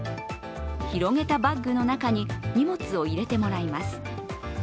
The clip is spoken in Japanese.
広げたバッグの中に荷物を入れてもらいます。